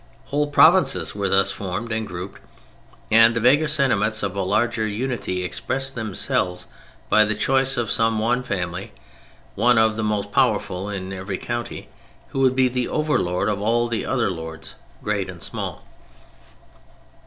Whole provinces were thus formed and grouped, and the vaguer sentiments of a larger unity expressed themselves by the choice of some one family, one of the most powerful in every county, who would be the overlord of all the other lords, great and small.